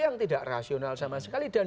yang tidak rasional sama sekali dan